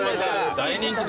大人気で。